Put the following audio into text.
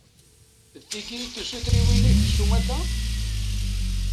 D tigi i d tisutriwin-ik s umata?